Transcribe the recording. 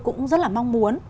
cũng rất là mong muốn